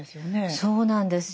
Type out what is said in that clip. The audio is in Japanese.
そうなんですよ。